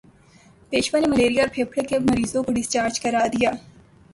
پیشوا نے ملیریا اور پھیپھڑے کے مریضوں کو ڈسچارج کرا دیا